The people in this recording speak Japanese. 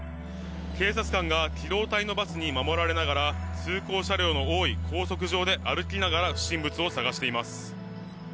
警察官が機動隊のバスに守られながら通行車両の多い高速上で歩きながら不審物を探しています。